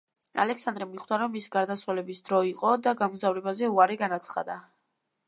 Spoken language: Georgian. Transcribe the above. ალექსანდრა მიხვდა, რომ მისი გარდაცვალების დრო იყო და გამგზავრებაზე უარი განაცხადა.